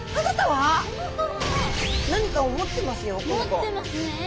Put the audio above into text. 持ってますね。